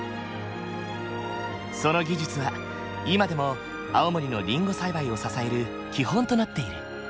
その技術は今でも青森のりんご栽培を支える基本となっている。